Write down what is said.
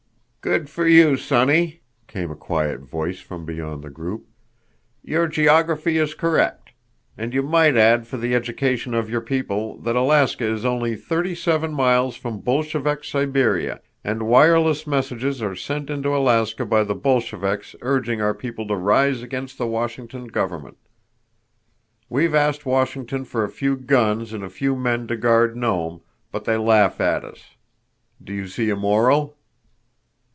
"Good for you, sonny," came a quiet voice from beyond the group. "Your geography is correct. And you might add for the education of your people that Alaska is only thirty seven miles from Bolshevik Siberia, and wireless messages are sent into Alaska by the Bolsheviks urging our people to rise against the Washington government. We've asked Washington for a few guns and a few men to guard Nome, but they laugh at us. Do you see a moral?"